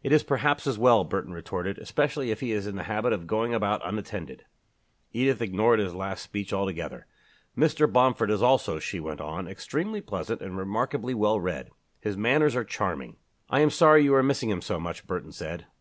"It is perhaps as well," Burton retorted, "especially if he is in the habit of going about unattended." Edith ignored his last speech altogether. "Mr. Bomford is also," she went on, "extremely pleasant and remarkably well read. His manners are charming." "I am sorry you are missing him so much," Burton said.